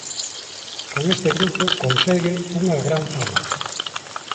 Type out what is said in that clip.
Con este grupo consegue unha gran fama.